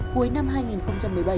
cuối năm hai nghìn một mươi bảy